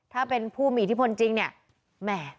ถ้าเป็นผู้มีอิทธิพลจริงเนี่ยแหม